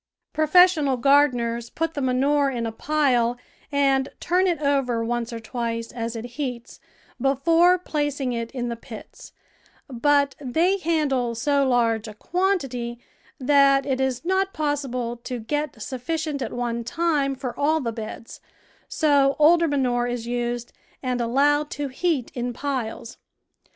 Pro CONSTRUCTION AND CARE OF HOTBEDS fessional gardeners put the manure in a pile and turn it over once or twice as it heats before placing it in the pits, but they handle so large a quantity that it is not possible to get sufficient at one time for all the beds, so older manure is used and allowed to heat in piles.